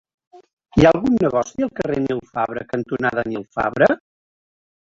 Hi ha algun negoci al carrer Nil Fabra cantonada Nil Fabra?